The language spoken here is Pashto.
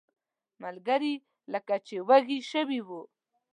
ملګري لکه چې وږي شوي وو.